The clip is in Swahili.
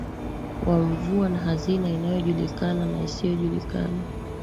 wa mvua na hazina inayojulikana na isiyojulikana